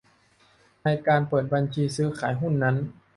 ในการเปิดบัญชีซื้อขายหุ้นนั้น